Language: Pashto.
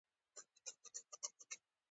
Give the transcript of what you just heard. د املا تېروتنه باید اصلاح شي.